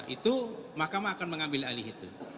itu mahkamah akan mengambil alih itu